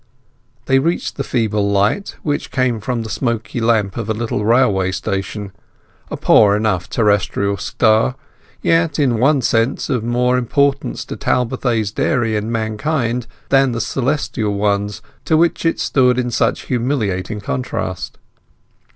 They reached the feeble light, which came from the smoky lamp of a little railway station; a poor enough terrestrial star, yet in one sense of more importance to Talbothays Dairy and mankind than the celestial ones to which it stood in such humiliating contrast.